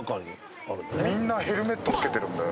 みんなヘルメットつけてる。